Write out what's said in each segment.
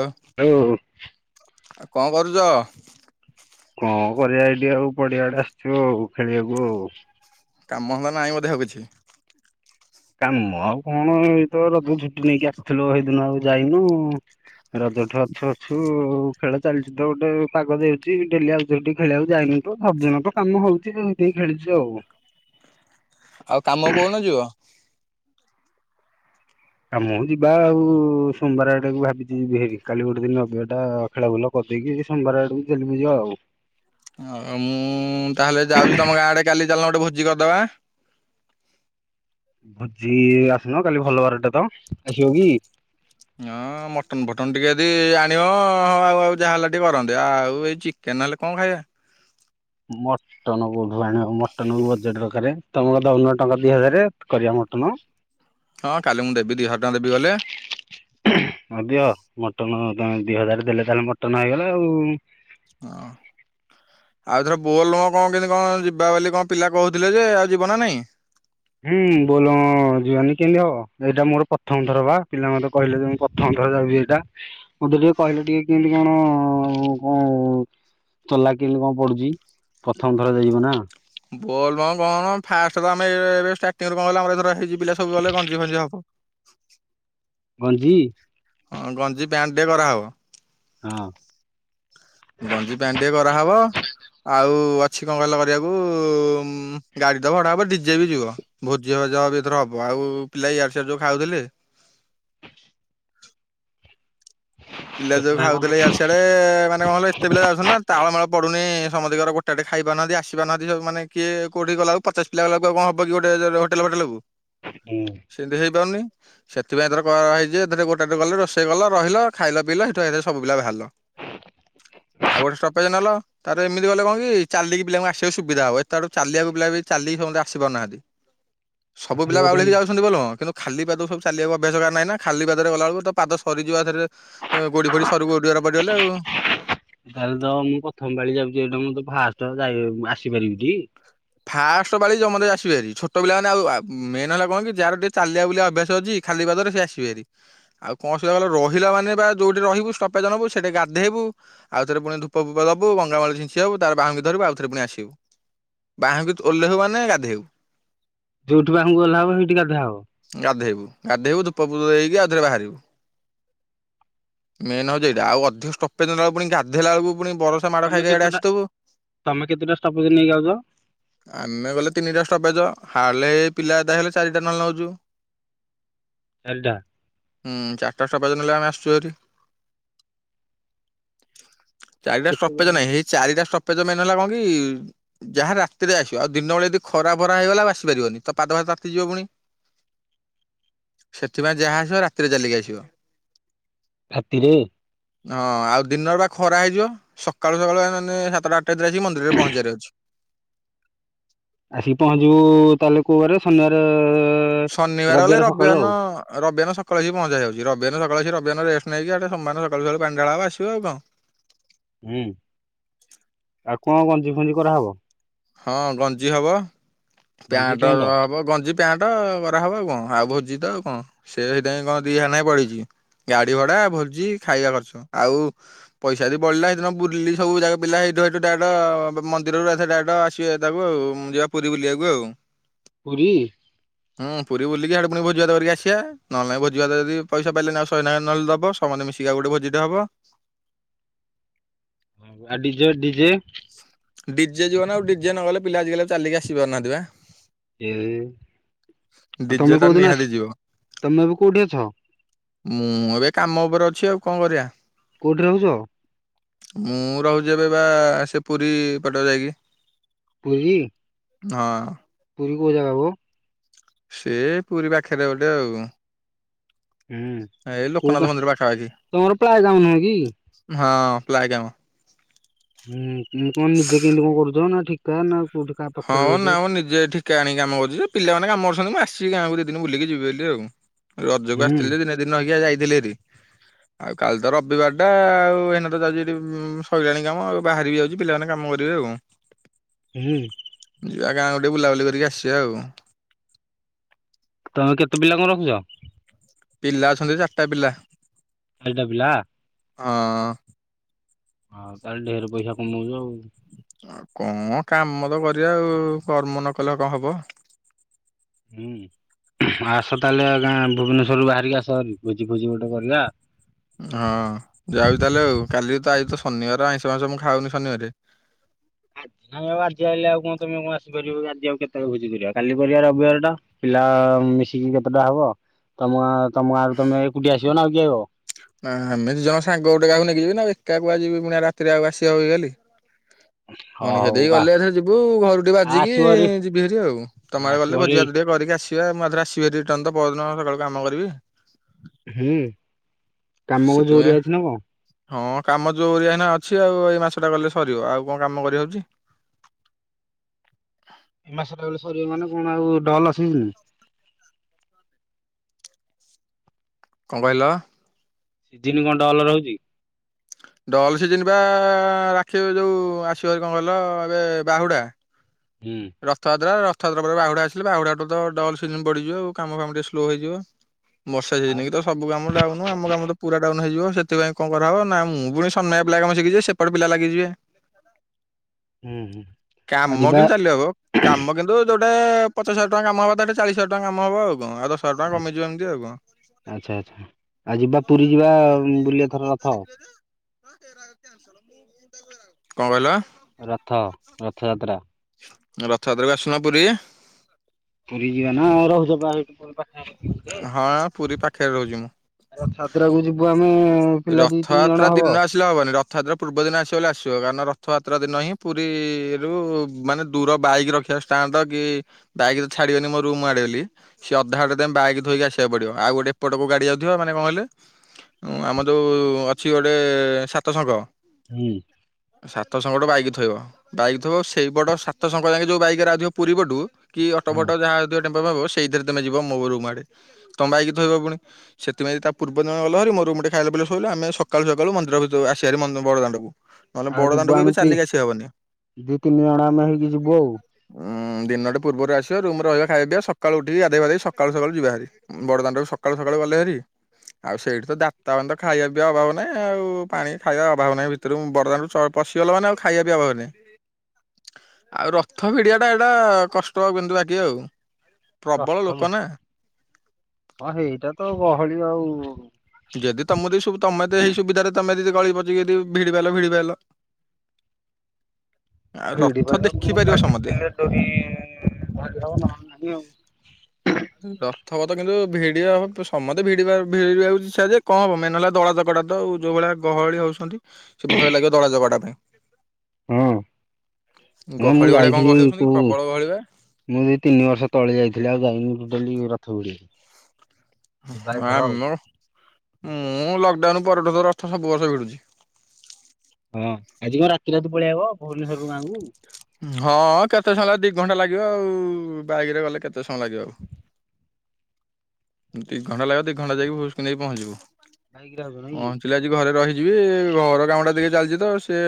ଓ ଆଉ କଣ କରୁଚ? କଣ କରିବା ଏଇଠି ଆଉ ପଡିଆଡେ ଆସଚୁ ଆଉ ଖେଳିବାକୁ ଆଉ। କାମଧନ୍ଦା ନାହିଁ ବୋଧେ ଆଉ କିଛି। କାମ ଆଉ କଣ ଏଇ ତ ରଜ ଛୁଟି ନେଇକି ଆସିଥିଲୁ ହେଇଦିନ ଆଉ ଯାଇନୁ। ରଜଠୁ ଅଛୁ ଅଛୁ। ଖେଳ ଚାଲଚି ତ ଗୋଟେ ପାଗ ଦେଇଚି ଡେଲି ଆଉଚୁ ଏଠିକି ଖେଳିବାକୁ ଯାଇନି ତ ସବୁଦିନ ତ କାମ ହୋଉଚି ଆଉ। ଟିକେ ଖେଳିଚୁ ଆଉ। ଆଉ କାମକୁ କୋଉଦିନ ଯିବ? କାମକୁ ଯିବା ଆଉ ସୋମବାର ଆଡକୁ ଭାବିଚି ଏମତି ହେଇକି କାଲି ଗୋଟେ ଦିନ ଆଉ ଦିହଟା ଖେଳବୁଲ କରିଦେଇକି ସୋମବାର ଆଡ଼କୁ ଚାଲିବୁ ଯା ଆଉ। [inaudible] ଅ ମୁଁ ତାହେଲେ ଯାଉଚି ତମ ଗାଁଆଡେ କାଲି ଚାଲୁନ ଗୋଟେ ଭୋଜି କରିଦବା। ଭୋଜି ଆସୁନ କାଲି ଭଲ ବାରଟେ ତ ଆସିବ କି? ହଁ ମଟନ ଫଟନ ଟିକେ ଯଦି ଆଣିବ ହଁ ଆଉ ଆଉ ଯାହା ହେଲା ଟିକେ କରନ୍ତି ଆଉ ଏଇ ଚି କେନ ହେଲେ କଣ ଖାଇବା। ମଚ ମଟନ କୋଉଠୁ ଆଣିବାକୁ ମଟନକୁ ବଜେଟ ଦରକାରେ ତମର ଦୋଉନ ଟଙ୍କା ଦିଇ ହଜାର କରିବା ମଟନ। ହଁ କାଲି ମୁଁ ଦେବି ଦିଇ ହଜାର ଟଙ୍କା ଦେବି ଗଲେ। ହଁ ଦିଅ ମଟନ ତମେ ଦିଇ ହଜାର ଦେଲେ ତାହେଲେ ମଟନ ହେଇଗଲା ଆଉ। ହଁ। ଆଉ ଏଥର ବୋଲବମ କଣ କେମିତି କଣ ଯିବା ବୋଲି କଣ ପିଲା କୋହୁଥିଲେ ଯେ ଆଉ ଯିବ ନା ନାଇଁ? ହୁଁ ବୋଲବମ ଯିବାନି କେମିତି ହବ ଏଇଟା ମୋର ପଥମ ଥର ପା ପିଲା ମତେ କହିଲେ ଯେ ମୁଁ ପ ଥଣ୍ଡ ରେ ଯାଉଚି ଏଇଟା ମତେ ଟିକେ କହିଲେ ଟିକେ କେମିତି କଣ କଁ ଥଲା କେମିତି କଣ ପଡୁଚି ପଥମ ଥର ଯାଇଯିବ ନା। ବୋଲବମ୍ କଣ ଫାଷ୍ଟ ତ ଆମେ ଏବେ ଷ୍ଟାର୍ଟିରୁ କଣ କହିଲ ଆମର ହେଇଚି। ପିଲା ସବୁ ଗଲେ ଗଞ୍ଜି ଫଞ୍ଜି ହବ। ଗଞ୍ଜୀ। ହଁ ଗଞ୍ଜି ପ୍ୟାଣ୍ଟ ଟେ କରାହବ। ହଁ। ଗଞ୍ଜି ପ୍ୟାଣ୍ଟ୍ ଟେ କରାହବ। ଆଉ ଅଛି କଣ କିହିଲ କରିବାକୁ ଗାଡି ତ ଭଡା ଭବ ଡିଜେ ବି ଯିବ। ଭୋଜି ଭଜା ବି ଏଥର ହବ ଆଉ ପିଲା ୟାଡ ସିଆଡ ଯୋଉ ଖାଉଥିଲେ ପିଲା କେତେ ଯୋଉ ନାଁ କଣ ଖାଉଥିଲେ ୟାଡ ସିଆଡେ ମା ମାନେ କଣ କହିଲ ଏତେ ପିଲା ଯାଉଛନ୍ତି ନା ତାଳମେଳ ପଡୁନି ସମସ୍ତିଙ୍କର ଗୋଟାଟେ ଖାଇ ପାରୁନାହାନ୍ତି ଆସିପାରୁନାହାନ୍ତି ମାନେ କିଏ କଉଠି ଗଲାଳକୁ। ପଚାଶ ପିଲା ଗଲାକୁ କଣ ହବ କି ଗୋଟେ ହୋଟେଲ ଫୋଟେଲ୍କୁ। ହୁଁ। ସେମିତି ହେଇପାରୁନି ସେଥିପାଇଁ ଏଥର କରା ହେଇଚି ଯେ ଏଥିରେ ଗୋଟା ଟେ ଗଲେ ରୋଷେଇ କଲ ରହିଲ। ଖାଇଲ ପିଇଲ ସେଠୁ ଏକାଥରେ ସବୁ ପିଲା ଭାର୍ଲ ଆଉ ଗୋଟେ ଷ୍ଟପେଜ ନେଲ। ତାର ଏମିତି ଗଲେ କଣ କି ଚାଲିକି ପିଲାଙ୍କୁ ଆସିବା ସୁବିଧା ହବ ଏତେବାଟୁ ଚାଲିବାକୁ ପିଲା ବି ଚାଲିକି ସମସ୍ତେ ଆସିପାରୁନାହାନ୍ତି। ସବୁ ପିଲା ବାଉଳି ହେଇକି ଯାଉଛନ୍ତି ବୋଲବମ କିନ୍ତୁ ଖାଲି ପାଦକୁ ସବୁ ଚାଲିଯିବା ଅଭ୍ୟାସ କାହାର ନାହିଁ ନା ଖାଲି ପାଦରେ ଗଲାବେଳକୁ ତ ପାଦ ସରିଯିବ ଏକାଥରେ। ଗୋଡି ଫୋଡି ସରୁ ଗୋଡଆରେ ପଡିଗଲେ ଆଉ। ତାହେଲେ ତ ମୁଁ ପଥମ ପାଳି ଯାଉଛି ଏଇଟା ମୁଁ ତ ଫାଷ୍ଟ ଯାଇ ଆସିପାରିବି ଟି। ଫାଷ୍ଟ ପାଳି ସମସ୍ତେ ଆସିବେହାରି ଛୋଟ ପିଲା ମାନେ ଆଉ ମେନ୍ ହେଲା କଣ କି ଯାହାର ଟିକେ ଚାଲିବା ବୁଲିବା ଅଭ୍ୟାସ ଅଛି। ଖାଲି ପାଦରେ ସେ ଆସିବେ ହାରି। ଆଉ କୌଣସି ଜାଗାରେ ରହିଲା ମାନେ ବା ଯୋଉଠି ରହିବୁ ଷ୍ଟପେଜ୍ ନବୁ ସେଟି ଗାଧେଇବୁ। ଆଉଥରେ ପୁଣି ଧୂପ ଫୂପ ଦବୁ ଗଙ୍ଗା ପାଣି ଛିଞ୍ଚି ହବୁ ତାପରେ ବାହୁଙ୍ଗି ଧରିବୁ ଆଉଥରେ ପୁଣି ଆସିବୁ। ବାହୁଙ୍ଗି ଓହ୍ଲେଇବୁ ମାନେ ଗାଧେଇବୁ। ଯୋଉଠି ବାହୁଙ୍ଗି ଓହ୍ଲାହବ ସେଇଠି ଗାଧା ହବ। ଗାଧେଇବୁ, ଗାଧେଇବୁ ଧୂପ ଫୂପ ଦେଇକି ଆଉ ଥରେ ବାହାରିବୁ। ମେନ ହୋଉଛି ଏଇଟା ଆଉ ଅଧିକ ଷ୍ଟପେଜ ନେଲା ବେଳୁକୁ ଗାଧଲା ବେଳକୁୁ ପୁଣି ବର ତମେ କେତେଟା, ତମେ କେତେଟା ଷ୍ଟପେଜ ନେଇିକ ଯାଉଚ। ଆମେ ଗଲେ ତିନିଟା ଷ୍ଟପେଜ ହାଡଲେ ପିଲା ଆଦାୟ ହେଲେ ଚାରିଟା ନହେଲେ ନଉଚୁ। ଚାରିଟା। ହୁଁ ଚାର୍ଟା ଷ୍ଟପେଜ ନେଲେ ଆମେ ଆସୁଛୁ ହାରି। ଚାରିଟା ସଷ୍ଟପେଜ କେତେବେଳେ ନାହିଁ ସେଇ ଚାରିଟା ସଷ୍ଟପେଜ ମେନ୍ ହେଲା କଣ କି ଯାହା ରା ତିରେ ଆସିବ ଆଉ ଦିନବେଳେ ଯଦି ଖରା ଫରା ହେଇଗଲା ଆଉ ଆସିପାରିବନି ପାଦ ଫାଦ ତାତିଯିବ ପୁଣି। ସେଥିପାଇଁ ଯାହା ଆସିବ ରାତିରେ ଚାଲିକି ଆସିବ। ରାତିରେ। ହଁ ଆଉ ଦିନରେ ବା ଖରା ହେଇଯିବ ସକାଳୁ ସକାଳୁ ମାନେ ସାତଟା ଆଠଟା ଭିତରେ ଆସିକି ମନ୍ଦିରରେ ପହଞ୍ଚିବାର ଅଛି। ଆସିକି ପହଞ୍ଚିବୁ ତାହେଲେ କୋଉ ବାରେ ଶନିବାରେ ଶନିବାର ହେଲେ ରବିବାରନ ରବିବର୍ ସ ସକାଳୁ ଆସିକି ପହଞ୍ଚି ହେଇଆଉଛି ରବିବାରନ ସକାଳୁ ଆସିକି ରବିବାରନ ରେଷ୍ଟ ନେଇକି ହେଠୁ ସୋମବାର ଦିନ ସକାଳୁସକାଳୁ ପାଣି ଢାଳା ହବ ଆସିବ ଆଉ କଣ। ହୁଁ ଆଉ କଣ ଗଞ୍ଜି ଫଜିଂ କରାହବ। ହଁ ଗଞ୍ଜି ହବ ପ୍ୟାଣ୍ଟ ଅ ହବ ଗଞ୍ଜି ପ୍ୟାଣ୍ଟ କରାହେବ ଆଉ କଣ ଆଉ ଭୋଜି ତ ଆଉ କଣ ସେ ସେଇତିପାଇଁ କଣ ଦିହାର ନେଖା ପଡିଛି। ଗାଡି ଭଡା ଭୋଜି ଖାଇବା ଖର୍ଚ ଆଉ ପଇସା ଯଦି ବଳିଲା ହେଦିନ ବୁଲି ସବୁ ଯାକ ପିଲା ହେଇଠୁ ହେଉଠୁ ଡାଇରେକ୍ଟ ମନ୍ଦିରରୁ ଆ ସେ ଡାଇରେକ୍ଟ ସିଆ ତାକୁ ଆଉ ମୁଁ ଯିବା ପୁରୀ ବୁଲିବାକୁ ଆଉ। ପୁରୀ। [unintelligible] ହୁଁ ପୁରୀ ବୁଲିକି ହିଆଡୁ ପୁଣି ଭୋଜି ବା କରିକି ଆସିବା ନହେଲେ ଭୋଜି ଭାତ ଯଦି ପଇସା ପାଇଲେ ନାଇଁ ଆଉ ଶହେ ନାଖା ନେହେଲେ ଦବ। ସମତେ ମିଶିକି ଗୋଟେ ଭୋଜିଟେ ହବ। ଆ ଡିଜେ, ଡିଜେ? ଡିଜେ ଯିବନି ଆଉ ଡିଜେ ନ ଗଲେ ପିଲା ଆଜିକାଲି ଚାଲିକି ଆସିପାରୁ ନାହାନ୍ତି ପା। ଏ ଆଉ ଡିଜେ ତମେ ଟା କୋଉଦିନ ନିହାତି ଆସି ଯିବ ତମେ ବି କୋଉଠି ଅଛ? ମୁଁ ଏବେ କାମ ଉପରେ ଅଛି ଆଉ କଣ କରିବା। କୋଉଠି ରହୁଛ? ମୁଁ ରହୁଛି ଏବେ ବା ସେ ପୁରୀ ପଟ ଯାଇକି ପୁରି? ହଁ। ପୁରୀ କୋଉ ଜାଗା ବୋ? ସେ ପୁରୀ ପାଖରେ ଗୋଟେ ଆଉ। ହୁଁ ଏଇ କୋଉ ଲୋକନାଥ ଗାଁ ମନ୍ଦିର ପାଖାପାଖି ତମର ପ୍ଲାୟ ଯାଉନାହିଁକି? ହଁ ପ୍ଲାୟ କାମ। ହୁଁ କଣ ନିଜେ କେମିତି କଣ କରୁଛ ନା ଠିକା ନା କଉଠି? ହଁ ମ ନାଁ ମ ନିଜେ ଏଠି କା ଆଣିକି କାମ କରୁଛି ଯେ ପିଲାମାନେ କାମ କରୁଛନ୍ତି ମୁଁ ଆସିବି କାମ ଦି ଦିନି ବୁଲିକି ଯିବି ବୋଲି ଆଉ ରଜକୁ ହୁଁ ଆସିଥିଲି ଦିନ ରହିକି ଯାଇଥିଲି ହେରି। ଆଉ କାଲି ତ ରବିବାର ଟା ଆଉ ଏନା ତ ଯାଉଚି ସଇଲାଣି କାମ ଆଉ ବାହାରିିବି ଯାଉ ପିଲାମାନେ କାମ କରିବେ ଆଉ। ହୁଁ। ଯିବା ଗାଁ କୁ ଟିକେ ବୁଲାବୁଲି କରିକି ଆସିବା ଆଉ। ତମେ କେତେ ପିଲାଙ୍କୁ ରଖୁଛ? ପିଲା ଅଛନ୍ତି ଚାରିଟା ପିଲା। [unintelligible] ଟା ପିଲା। ହଁ। ହଁ ତାହେଲେ ଢେର ପଇସା କମଉଛ ଆଉ। ଆଉ କଣ କାମ ତ କରିବା ଆଉ କର୍ମ ନ କଲେ କଣ ହବ? ହୁଁ ଆସ ତାହେଲେ ଜ୍ଞା ଭୁବନେଶ୍ୱରରୁ ବାହାରିକି ଆସରି ଭୋଜି ଫୋଜି ଗୋଟେ କରିବା। ହଁ ଯାଉଚି ତାହେଲେ ଆଉ କାଲି ତ ଆଜି ତ ଶନିବାର ଆଇଁଷ ଫାଇଁଷ ମୁଁ ଖାଉନି ଶନିବାରେ। ଆଜି ଆଉ ଆଜି ଆଇଲେ ଆଉ କଣ କେମି କଣ ଆସିପାରିବ ଆଜି ଆଉ କେତଳେ ଭୋଜିିକରିବା କାଲି କରିବା ରବିବାର ଟା। ପିଲା ମିଶିକି କେତେଟା ହବ? ତମ ଗାଁ ତମ ଗାଁରୁ ତମେ ଏକୁଟିିଆ ଆସିବ ନା ଆଉ କିଏ ଆଇବ? ନାଁ ଆମେ ଦି ଜଣ ସାଙ୍ଗ ଗୋଟେ କାହାକୁ ନେଇକି ଯିବି ନା ଏକା କୁଆଡେ ଯିବି ପୁଣି ରାତିରେ ଆଉ ଆସିବା ହବକି କାଲି? ହଁ ମଣିଷା ହଉ ଦେଇ ଆ ଗଲେ ଏଥରେ ଯିବୁ ଘରୁ ଟିକେ ବାଜିକି ଆସିବ ଭାରି ଯିବି ହେରି ଆଉ। ତମ ଆଡ଼େ ଆସିବ ଗଲେ ଭାରି ଭୋଜିଭାତ ଟିକେ କରିକି ଆସିବା, ମୁଁ ଆଉଥରେ ଆସିବି ରିଟର୍ନ ତ ପହଦିନ ସକାଳୁ କାମ କରିବି। ହୁଁ, କାମ କ ସେଥିପାଇଁ ଜୋଅରିଆ ଅଛି ନା କଣ? ହଁ କାମ ଯୋଅରିଆ ଏଇନା ଅଛି ଆଉ ଏଇ ମାସଟା ଗଲେ ସରିବ ଆଉ କଣ କାମ କରିହଉଛି। ଏ ମାସଟା ରେ ସରିବ ମାନେ କଣ ଆଉ ଡଲ୍ ସିଲ୍ଡ୍। କଣ କହିଲ? ସିଜିନ କଣ ଡ଼ଲ ରହୁଛି? ଡଲ୍ ସିଜିନ୍ ପା ରାକ୍ଷୀ ଯୋଉ ଆସିବ ଭାରି କଣ କହିଲ ଏବେ ବାହୁଡ଼ା। ହୁଁ। ରଥଯାତ୍ରା ରଥଯାତ୍ରା ପରେ ବାହୁଡ଼ା ଆିଲେ ବାହୁଡ଼ାଠୁ ତ ଡଲ୍ ସିଲିନ୍ ପଡ଼ିଯିବ ଆ କାମ ଫାମ ଟିକେ ସ୍ଲୋ ହୋଇଯିବ ବର୍ଷା ସି ଆଉ [unintelligible] ସବୁ କାମ ଡାଉନ ଆମ କାମ ତ ପୁରା ଡାଉନ ହେଯିବ ସେଥିପାଇଁ କଣ କରହବ ନା ମୁଁ ପୁଣି ସମୟ ପିଲା କାମ ଶିଖିଛି ସେ ଏପଟ ପିଲା ଲାଗିଯିବେ ହୁଁ ହୁଁ ଆଉ କାମ ଯିବା କିନ୍ତୁ ବ କାମ କିନ୍ତୁ ଯୋଉଟା ପଚାଶ ହଜାର ଟଙ୍କା କାମ ହବା କଥା ଚାଳିଶ ହଜାର ଟଙ୍କା କାମ ହବ ଆଉ କଣ ଆଉ। ହଜାର ଟଙ୍କା କମିଯିବ ଏମିତି ଆଉ କଣ। ଆଛା ଆଚ୍ଛା ଆଚ୍ଛା ଆଉ ଯିବା ପୁରୀ ଯିବା ବୁଲିବା ଏଥର ରଥ କଣ କହିଲ? ରଥ ରଥଯାତ୍ରା। ରଥଯାତ୍ରାକୁ ଆସୁନ ପୁରୀ। ପୁରୀ ଯିବା ନାଉ ରହୁଛ ଏଇଠି କୋଉଠି ପାଖରେ। ହଁ ପୁରୀ ପାଖରେ ରହୁଛି ମୁଁ। ଆ ରଥ ଯାତ୍ରା କୁ ଯିବୁ ଆମେ ପିଲା ଦି ତିନି ରଥଯାତ୍ରା ଜଣ ହବ। ଦିନ ଆସିଲେ ହବନି ରଥଯାତ୍ରା ପୂର୍ବ ଦିନ ଆସିବ ବଲେ ଆସିବ କାରଣ ରଥଯାତ୍ରା ଦିନ ହିଁ ପୁରୀରୁ ମାନେ ଦୂର ବାଇକ ରଖିବା ଷ୍ଟାଣ୍ଡ ତ କି ବାଇକ୍ ତ ଛାଡିବନି ମୋ ରୁମ୍ ଆଡେଗଲି। ସିଏ ଅଧା ଆଟେ ଦ ବାଇ ଧୋଇକି ଆସିବାକୁ ପଡିବ। ଆଉ ଗୋଟେ ଏପଟକୁ ଗାଡି ଯାଉଥିବା ମାନେ କଣହିଲେ ଆମ ଯୋଉ ଅଛି ଗୋଟେ ସାତ ଶଙ୍ଗ। ହୁଁ। ସାତ ସଂଙ୍ଗଟ ବାଇକି ଥୋଇବ। ବାଇକ୍ ଥିବ ସେଇ ବଡ ସାତ ସଂଙ୍ଗା ଯାଏକେ ଯୋଉ ବାଇକରେ ଆଥିବ ପୁରୀ ପଟୁ କି ଅଟୋ ଫଟ ଯାହା ତ ଟେମ୍ପୁ ଫେମ୍ପୁ ସେଇଥିରେ ତମେ ଯିବ ମୋ ରୁମ୍ ଆଡେ। ତମ ବାଇକି ଥୋଇବ ପୁଣି ସେଥିପାଇଁ ତା ପୂର୍ବ ଦିନ ଗଲ ହାରି ମୋର ଗୋଟେ ଖାଇଲା ପିଲଲେ ଶୋଇୁ ଆମେ ସକାଳୁ ସକାଳୁ ମନ୍ଦିର ଭିତରକୁ ଆସିବାରି ବଡ଼ଦାଣ୍ଡକୁ। ଆଉ ଯିବୁ ଏମିତି ଦି ତିନି ଜଣ ଆମେ ହେଇକି ଯିବୁ ଆଉ। ଉଁ ଦିନଟେ ପୂର୍ବରୁ ଆସିବା ରୁମ ରହିବା ଖାଇବା ପିଇବା ସକାଳୁ ଉଠିକି ଗାଧେଇ ପଧେଇ ସକାଳୁ ସକାଳୁ ଯିବା ଭାରି। ବଡଦାଣ୍ଡଟାକୁୁ ସକାଳୁ ସକାଳୁ ଗଲେ ହାରି ଆଉ ସେଇଠି ତା ତାମାନେତ ଖାଇବା ବି ଅଭାବ ନାହିଁ। ଆଉ ପାଣି ଖାଇବା ଅଭାବ ନାହିଁ ଭିତରୁ ବରଦମାନରୁ ପଶିଗଲା ମାନେ ଆଉ ଖାଇବା ପିଇବି ଅଭାବ ନାହିଁ। ଆଉ ରଥ ଭିଡିଆ ଟା ଏଇଟା କଷ୍ଟ ଆଉ କିନ୍ତୁ ବାକି ଆଉ। ପ୍ରବଳ ରଥ ଲୋକ ନା। ହଁ ଏଇଟା ତ ଗହଳି ଆଉ। ଯଦି ତମକୁ ତମେ ତ ହେଇ ସୁବିଧାରେ ତମେ ଯଦି ଗଳି ପଚି ଯଦି ଭିଡି ପାଇଲ ଭିଡି ପାଇଲ। ଆଉ ରଥ ଭିଡିପାଇଲା କୁ ମୁଁ ଦେଖିପାରିବ ସମତେ [unintelligible] ତୁହିଁ ଭାଗିହବ ନହଲେ ନାହିଁ। ରଥପଥ କିନ୍ତୁ ଭିଡ ସମସ୍ତେ ଭିଡି ଭିଡିଉଛି ସ ଯେ କଣ ହବ ମେନ ହେଲା ଦଳା ଚକଟା। ଯୋଉ ଭଳିଆ ଗହଳି ହଉଛନ୍ତି। ସେ ଭୟ ଲାଗିବ ଦଳା ଚକଟା ପାଇଁ। ହଁ ଏ ମୁଁ ଗହଳି ଭଳିଆ କଣ ଯାଇଥିଲି ଗହଳି ଦଉଛନ୍ତି କି କୋଉ ପ୍ରବଳ ଗହଳି ପା। ମୁଁ ସେଇ ତିନି ବର୍ଷ ତଳେ ଯାଇଥିଲି ଆଉ ଯାଇନି ଟୋଟାଲି ରଥ ଭିଡି। ଆମର ମୁଁ ଲକଡାଉନ ପରଠୁ ତ ରଥ ସବୁ ବର୍ଷ ଭିଡ଼ୁଛି। ହଁ ଆଜି କଣ ରାତିରାତି ପଳେଇଆସିବ ଭୁବନେଶ୍ୱରରୁ ଗାଁକୁ? ହଁ କେତେ ସମୟ ଲାଗିବ ଦି ଘଣ୍ଟା ଲାଗିବ ଆଉ ବାଇକରେ ଗଲେ କେତେ ସମୟ ଲାଗିବ ଆଉ? ଦୁଇ ଘଣ୍ଟା ଲାଗିବ ଦୁଇ ଘଣ୍ଟା ଯାଇକି ଭୁସ୍କୁ ନେଇ ପହଞ୍ଚିଯିବୁ। ଭାଇକି ରହୁଛ ନାଇଁ କି? ପହଞ୍ଚିଲି ଆଜି ଘରେ ରହିଯିବି ଘର କାମ ଟା ଟିକେ ଚାଲିଛି ତ? ସେ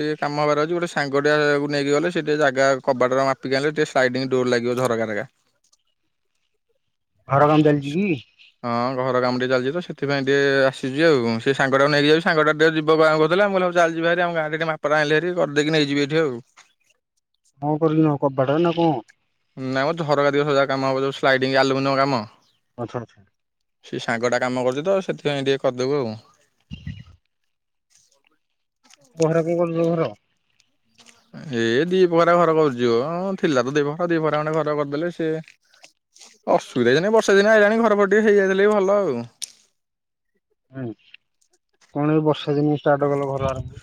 ଟିକେ କାମବାର ଅଛି ଗୋଟେ ସାଙ୍ଗଟିଆ ନେଇକି ଗଲେ ସେଟିକେ ଜାଗା କବାଟା ମାପିକି ଆଣିଲେ ଟିକେ ସ୍ଲାଇଡିଙ୍ଗ ଡୋର ଲାଗିବ ଝରକାଗୁରା। ଘର କାମ ଚାଲିଛି କି? ହଁ ଘର କାମ ଟିକେ ଚାଲିଛି ତ ସେଥିପାଇ ଟିକେ ଆସିବି ଆଉ ସେ ସାଙ୍ଗଟା ନେଇକି ଯିବି ସାଙ୍ଗଟା ଟିକେ ଯିବ କହୁଥିଲା ଭ ଚାଲିଯିବାର ଆମ ଗାଁରେ ଟିକେ ମାପରା ଆଣିଲେ କରିଦେଇକି ନେଇଯିବ ଏଠି ଆଉ। ହଁ କରିକି ନବ କବାଟ ନାଁ କଣ? ନାଇଁମ ଝରକା ଦିହଜାର କାମ ହବ ଯୋଉ ସ୍ଲାଇଡିଙ୍ଗ ଆଲୁମିନିୟମ କାମ। ଆଚ୍ଛା ଆଚ୍ଛା। ସେଇ ସାଙ୍ଗଟା କାମ କରୁଛି ତ ସେଥିପାଇଁ ଟିକେ କରିଦେବୁ ଆଉ। ଗୁହାରେ କଣ କରୁଛ ଘର। ଏ ଦି ବଖରା ଘର କରୁଛି ମ ଥିଲା ତ ଦି ବଖରା ଦି ବଖରା ଖଣ୍ଡେ ଘର କରିଦେଲେ ସିଏ ଅସୁବିଧା କିଛି ନାହିଁ। ବର୍ଷା ଦିନ ଆଇଲାଣୀ। ଘର ପଟେ ଟିକେ ହେଇଯାଇଥିଲେ ବି ଭଲ ଆଉ। ଆଇଁ କଣ ଏଇ ବର୍ଷା ଦିନେ ଷ୍ଟାର୍ଟ କଲ ଘର ବାର ଆରମ୍ଭ?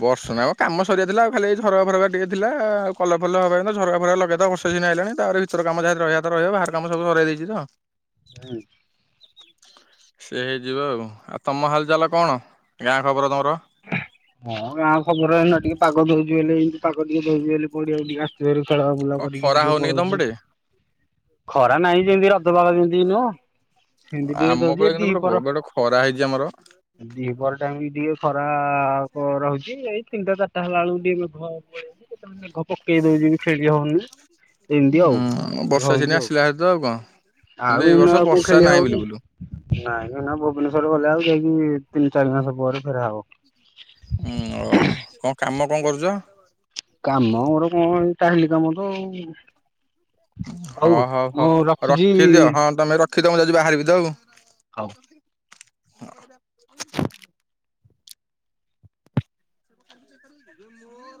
ବର୍ଷା ନାହିଁ ମ କାମ ସରିିବା ଥିଲା। ଆଉ ଖାଲି ଝରକା ଫରକା ଟିକେ ଥିଲା। ଆଉ କଲର ଫଲର ହବା କଥା ଝରକା ଫରକା ଲଗେଇଦବା। ଶୀତ ଦିନ ଆଇଲାଣି। ତାପରେ ଭିତରେ କାମ ଯାହା ରହିବା କଥା ରହିବ। ବାହାର କାମ ସବୁ ସରେଇ ଦେଇଛି ତ। ହୁଁ। ସେ ହେଇଯିବ ଆଉ। ଆଉ ତମ ହାଲ ଚାଲ କଣ? ଗାଁ ଖବର ତମର? ହଁ ଗାଁ ଖବର ଏଇନା ଟିକେ ପାଗ ଦଉଛି ବେଲେ ଏମିତି ପାଗ ଟିକେ ଦଉଛି ବେଲେ ପଡିଆକୁ ଟିକେ ରୁ ଖେଳା ବୁଲା କଣ କରିକି ଖରା ଟିକେ ହଉନି କି ତମ ପଳଉଛୁ। ପଟେ ଖରା ନାହିଁ ଯେମିତି ରଜ ପାଗ ଯେମତି ନୁହଁ ସେମିତି ଟିକେ ଆମ ଦଉଛି ବେଳେ କିନ୍ତୁ ପୁରା ଏପଟେ ବହୁତ ଗୋଟେ ଖରା ହେଇଛି ଆମର। ଦି ପହର ଟାଇମ ବି ଟିକେ ଖରା କ ରହୁଛି। ଏଇ ତିନିଟା ଚାରିଟା ହେଲା ବେଳକୁ ଟିକେ ମେଘ ପଳେଇ ଆଉଛି। କେତେବେଳେ ମେଘ ପକେଇ ଦଉଛି ବି ଖେଳି ହଉନି। ଏମିତି ଆଉ ହୁଁ ବର୍ଷା ରହୁଛି ଦିନ ଆଉ। ଆସିଲା ହାରି ତ ଆଉ କଣ? କିନ୍ତୁ ଆଉ ଏଇ ଏଇନେ ବର୍ଷ ଆଉ କୋଉ ବର୍ଷା ନାହିଁ ଖେଳିହବ କି? ବିଲକୁଲ ଉଁ ନାଇଁ ଏଇନା ଭୁବନେଶ୍ଵର ଗଲେ ଆଉ ଯାଇକି ତିନି ଚାରି ମାସ ପରେ ଫେରା ହବ। ଉଁ ଓହୋ। କଣ କାମ କଣ କରୁଛ? କାମ ମୋର କଣ ଏ ଟାଇଲି କାମ ତ ଆଉ। ହଁ ହଉ ମୁଁ ହ ରଖୁଛି। ରଖିଦିଅ। ହଁ ତମେ ରଖିଦିଅ। ମୁଁ ଯାଉଛି ବାହାରିବି ତ ଆଉ। ହଉ।